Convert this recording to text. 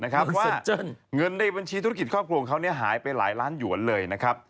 เขาได้บัญชีธุรกิจข้อคลวงเขานี่หายไปหลายล้านหยวนเลยนะครับ